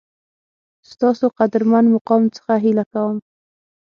ستاسو قدرمن مقام څخه هیله کوم